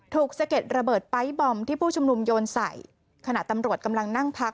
สะเก็ดระเบิดไป๊บอมที่ผู้ชุมนุมโยนใส่ขณะตำรวจกำลังนั่งพัก